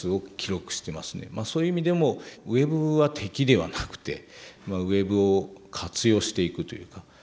そういう意味でもウェブは敵ではなくてウェブを活用していくというか。